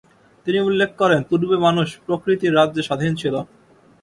তিনি উল্লেখ করেন পূর্বে মানুষ প্রকৃতির রাজ্যে স্বাধীন ছিল।